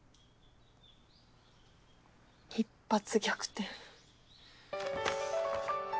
一発逆転。